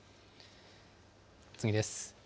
次です。